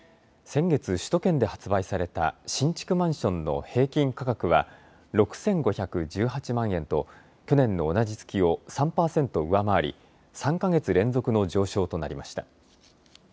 先月、首都圏で発売された新築マンションの平均価格は６５１８万円と去年の同じ月を３％上回り３か月連続の上昇となりました。